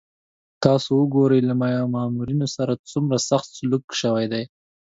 تاسو وګورئ له مامورینو سره څومره سخت سلوک شوی دی.